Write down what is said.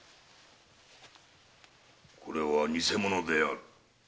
これは偽物である。